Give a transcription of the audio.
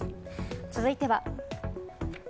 続いては。